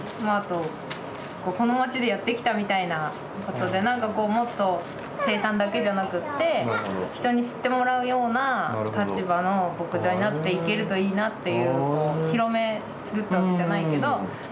あとこの町でやってきたみたいなことでなんかこうもっと生産だけじゃなくって人に知ってもらうような立場の牧場になっていけるといいなっていう広めるってわけじゃないけど。